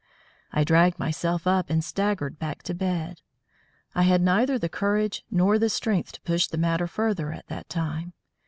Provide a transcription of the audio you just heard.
I dragged myself up and staggered back to bed. I had neither the courage nor the strength to push the matter further at that time.